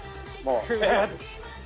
「えっ！」